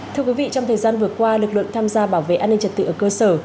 thưa quý vị trong thời gian vừa qua lực lượng tham gia bảo vệ an ninh trật tự ở cơ sở